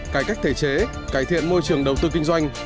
cải cách thể chế cải thiện môi trường đầu tư kinh doanh